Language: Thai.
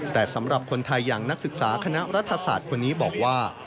แต่สำหรับคนไทยอย่างนักศึกษาคณะรัฐศาสตร์คนนี้บอกว่า